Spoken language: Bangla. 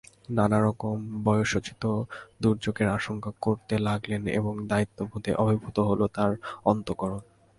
নানারকম বয়সোচিত দুর্যোগের আশঙ্কা করতে লাগলেন, এবং দায়িত্ববোধে অভিভূত হল তাঁর অন্তঃকরণ।